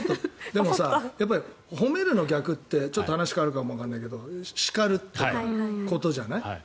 でも、褒めるの逆ってちょっと話が変わるかもわからないけどしかるってことじゃない。